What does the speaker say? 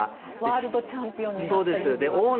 ワールドチャンピオンになった指輪ですね。